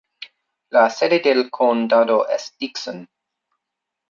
La sede del condado es Dixon.